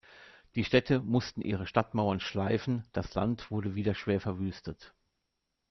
Die Städte mussten ihre Stadtmauern schleifen, das Land wurde wieder schwer verwüstet.